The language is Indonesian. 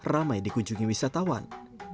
ramai dikunjungi wisatawan